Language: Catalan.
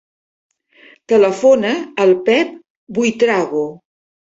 Telefona al Pep Buitrago.